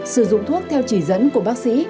sử dụng thuốc theo chỉ dẫn của bác sĩ